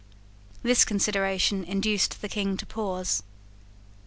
This consideration induced the King to pause.